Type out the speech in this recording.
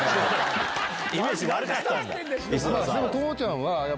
イメージ悪かったんだ。